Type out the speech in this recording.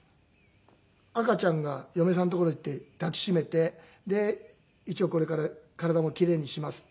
赤ちゃんが嫁さんの所に行って抱きしめてで一応「これから体も奇麗にします」